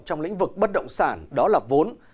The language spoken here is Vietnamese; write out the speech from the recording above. trong lĩnh vực bất động sản đó là vốn